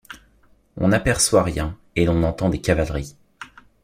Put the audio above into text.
On n’aperçoit rien, et l’on entend des cavaleries.